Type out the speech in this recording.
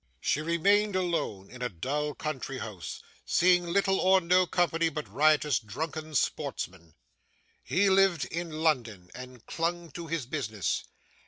She remained alone in a dull country house: seeing little or no company but riotous, drunken sportsmen. He lived in London and clung to his business.